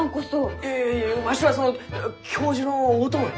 いやいやいやわしはその教授のお供で。